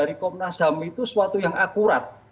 rekomendasi dari komnasam itu suatu yang akurat